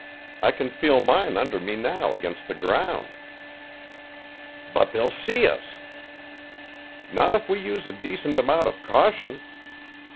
I can feel mine under me now against the ground." "But they'll see us." "Not if we use a decent amount of caution.